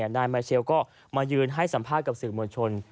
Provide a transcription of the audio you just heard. นายมาเชลก็มายืนให้สัมภาษณ์กับสื่อมวลชน